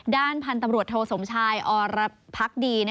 ด้านพันธุ์ตำรวจโทสมชายอรพักดี